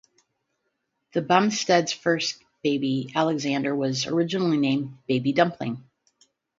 The Bumsteads' first baby, Alexander, was originally named Baby Dumpling.